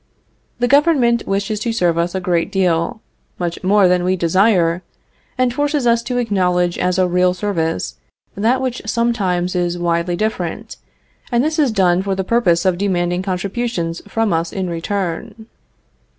The government wishes to serve us a great deal, much more than we desire, and forces us to acknowledge as a real service that which sometimes is widely different, and this is done for the purpose of demanding contributions from us in return.